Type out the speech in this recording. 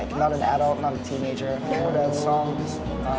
bukan seorang anak muda bukan seorang anak muda